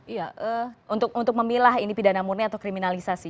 iya untuk memilah ini pidana murni atau kriminalisasi